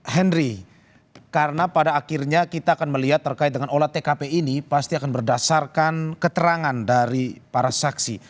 henry karena pada akhirnya kita akan melihat terkait dengan olah tkp ini pasti akan berdasarkan keterangan dari para saksi